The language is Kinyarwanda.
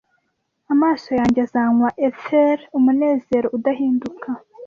amaso yanjye azanywa ether umunezero udahinduka